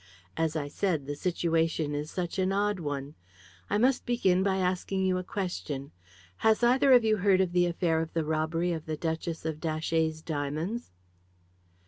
As I said, the situation is such an odd one. I must begin by asking you a question. Has either of you heard of the affair of the robbery of the Duchess of Datchet's diamonds?"